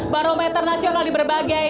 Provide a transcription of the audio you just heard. barometer nasional di berbagai